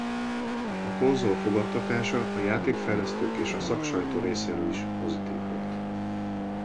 A konzol fogadtatása a játékfejlesztők és a szaksajtó részéről is pozitív volt.